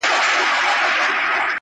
o مه کوه په ما، چي و به سي په تا!